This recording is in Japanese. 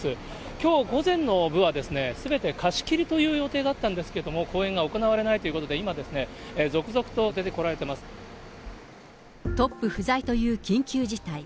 きょう午前の部は、すべて貸し切りという予定だったんですけれども、公演が行われないということトップ不在という緊急事態。